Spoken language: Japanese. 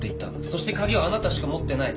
そして鍵はあなたしか持ってない。